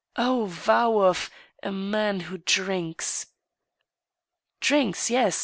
" Oh !— ^vow of ... a man who drinks." " Drinks — yes.